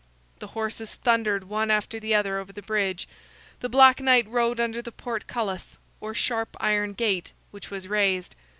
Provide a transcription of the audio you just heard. The horses thundered one after the other over the bridge. The Black Knight rode under the portcullis, or sharp iron gate, which was raised.